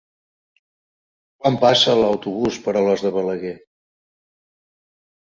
Quan passa l'autobús per Alòs de Balaguer?